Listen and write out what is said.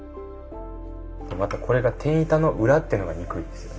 またこれが天板の裏っていうのがにくいですよね。